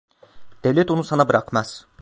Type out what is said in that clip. Devlet onu sana bırakmaz.